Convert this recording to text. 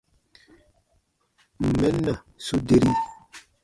Ǹ n mɛn na, su deri.